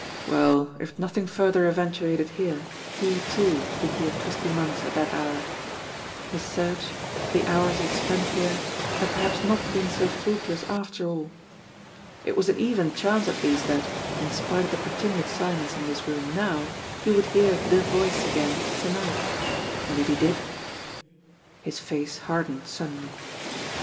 Well, if nothing further eventuated here, he, too, would be at Twisty Munn's at that hour. His search, the hours he had spent here, had perhaps not been so fruitless after all! It was an even chance at least that, in spite of the continued silence in this room now, he would hear the voice again to night. And if he did His face hardened suddenly.